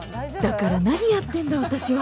だから何やってんだ私は。